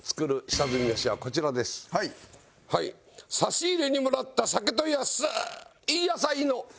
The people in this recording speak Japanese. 「さしいれにもらった酒と安い野菜の春雨鍋」